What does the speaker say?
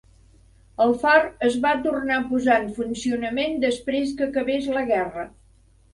El far es va tornar a posar en funcionament després que acabés la guerra.